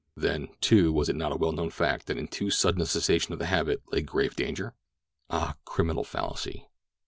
Then, too, was it not a well known fact that in too sudden a cessation of the habit lay grave danger? Ah, criminal fallacy!